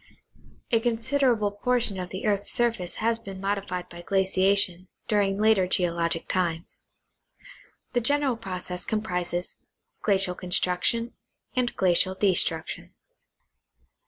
A considerable portion of the earth's surface has been modified by glaciation during later geologic times. The general process compi'ises glacial con struction and glacial destruction.